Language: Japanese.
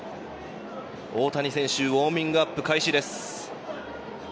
大谷選手ウォーミングアップ開始です。